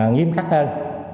nghiêm khắc hơn